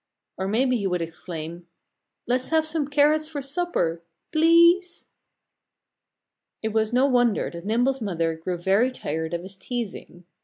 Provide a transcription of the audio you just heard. Or maybe he would exclaim, "Let's have some carrots for supper! Please!" It was no wonder that Nimble's mother grew very tired of his teasing.